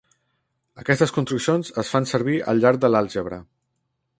Aquestes construccions es fan servir al llarg de l'àlgebra.